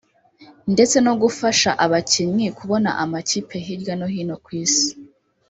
ndetse no gufasha abakinnyi kubona amakipe hirya no hino ku isi